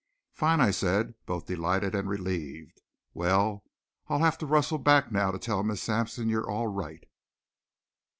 "Fine!" I said, both delighted and relieved. "Well, I'll have to rustle back now to tell Miss Sampson you're all right."